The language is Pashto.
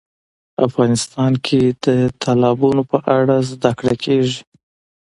افغانستان کې د تالابونه په اړه زده کړه کېږي.